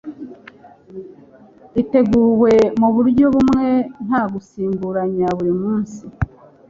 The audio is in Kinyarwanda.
iteguwe mu buryo bumwe nta gusimburanya buri munsi